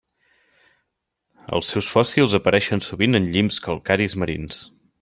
Els seus fòssils apareixen sovint en llims calcaris marins.